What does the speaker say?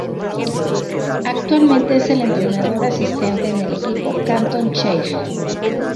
Actualmente es el entrenador asistente en el equipo Canton Charge.